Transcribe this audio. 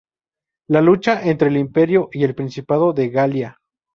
La lucha entre el Imperio y el Principado de Gallia.